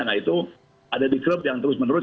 nah itu ada di klub yang terus menerus